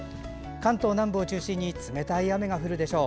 関東南部を中心に冷たい雨が降るでしょう。